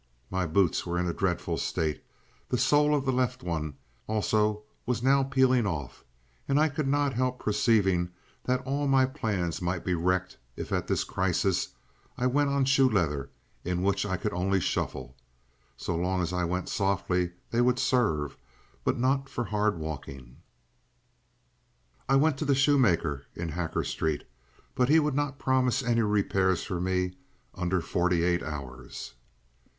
My boots were in a dreadful state, the sole of the left one also was now peeling off, and I could not help perceiving that all my plans might be wrecked if at this crisis I went on shoe leather in which I could only shuffle. So long as I went softly they would serve, but not for hard walking. I went to the shoemaker in Hacker Street, but he would not promise any repairs for me under forty eight hours.